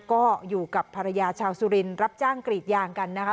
ก็อยู่กับภรรยาชาวสุรินรับจ้างกรีดยางกันนะคะ